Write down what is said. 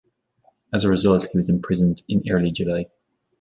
As a result, he was imprisoned in early July.